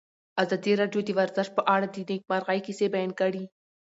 ازادي راډیو د ورزش په اړه د نېکمرغۍ کیسې بیان کړې.